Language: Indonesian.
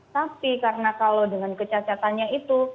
tapi karena kalau dengan kecacatannya itu